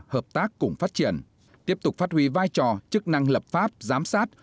hợp tác cùng phát triển tiếp tục phát huy vai trò chức năng lập pháp giám sát